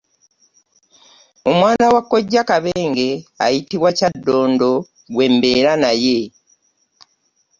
Omwana wa kojja Kabenge ayitibwa Kyaddondo gwe mbeera naye.